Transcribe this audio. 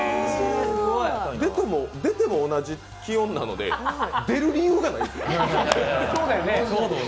出ても同じ気温なので出る理由がないんですよ。